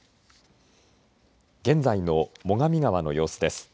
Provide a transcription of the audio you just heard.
現在の最上川の様子です。